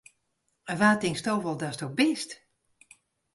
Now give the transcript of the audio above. Wa tinksto wol datsto bist!